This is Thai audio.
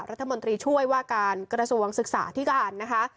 รัฐมนตรีช่วยว่าการกรสวงศึกษาที่การ